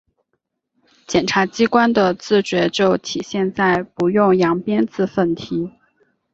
检察机关的自觉就体现在‘不用扬鞭自奋蹄’